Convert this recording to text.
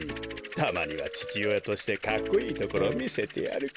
たまにはちちおやとしてかっこいいところをみせてやるか。